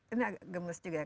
ini agak gemes juga ya